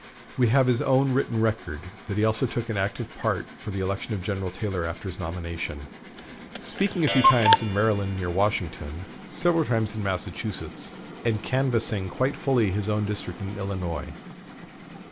We have his own written record that he also took an active part for the election of General Taylor after his nomination, speaking a few times in Maryland near Washington, several times in Massachusetts, and canvassing quite fully his own district in Illinois.